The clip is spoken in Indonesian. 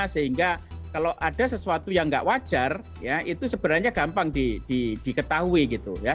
sehingga kalau ada sesuatu yang nggak wajar ya itu sebenarnya gampang diketahui gitu ya